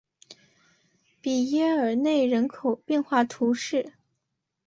比耶尔内人口变化图示